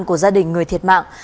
của gia đình người thiệt mạng